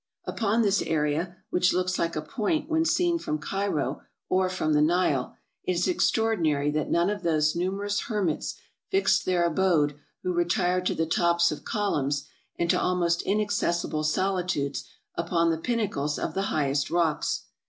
Upon this area, which looks like a point when seen from Cairo or from the Nile, it is extraordinary that none of those numerous hermits fixed their abode who retired to the tops of columns and to almost inaccessible solitudes upon the pinnacles of the highest rocks.